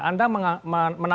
anda menangkapnya ya